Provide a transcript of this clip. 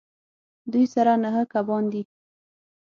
دوی سره نهه کبان دي